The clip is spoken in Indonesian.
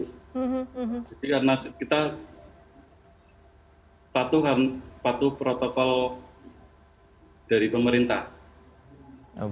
jadi karena kita patuh protokol dari pemerintah